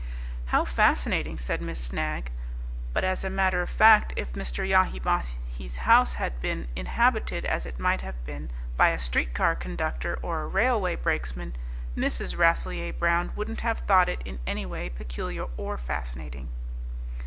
"How fascinating!" said Miss Snagg. But as a matter of fact, if Mr. Yahi Bahi's house had been inhabited, as it might have been, by a streetcar conductor or a railway brakesman, Mrs. Rasselyer Brown wouldn't have thought it in any way peculiar or fascinating.